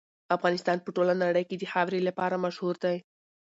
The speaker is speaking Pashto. افغانستان په ټوله نړۍ کې د خاورې لپاره مشهور دی.